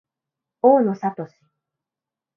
大野智